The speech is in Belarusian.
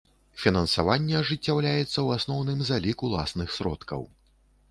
Фінансаванне ажыццяўляецца ў асноўным за лік уласных сродкаў.